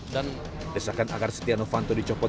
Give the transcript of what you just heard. desakan agar setia novanto dicopot